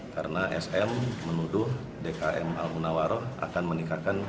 karena sm menuduh dkm al munawarro akan menikahkan suaminya